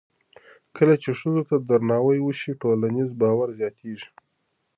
کله چې ښځو ته درناوی وشي، ټولنیز باور زیاتېږي.